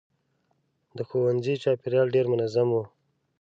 د ښوونځي چاپېریال ډېر منظم و.